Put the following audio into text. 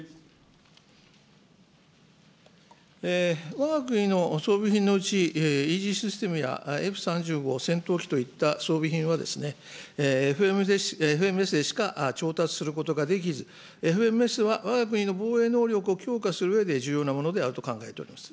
わが国の装備品のうち、イージスシステムや、Ｆ３５戦闘機といった装備品はＦＭＳでしか調達することができず、ＦＭＳはわが国の防衛能力を強化するうえで重要なものであると考えております。